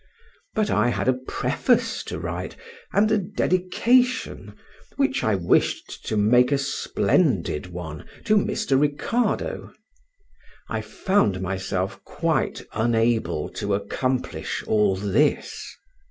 But I had a preface to write, and a dedication, which I wished to make a splendid one, to Mr. Ricardo. I found myself quite unable to accomplish all this.